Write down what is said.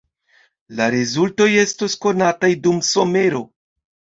La rezultoj estos konataj dum somero.